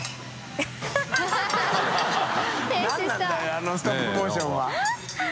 あのストップモーションは。